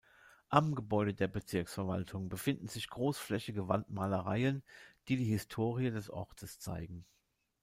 Am Gebäude der Bezirksverwaltung befinden sich großflächige Wandmalereien, die die Historie des Ortes zeigen.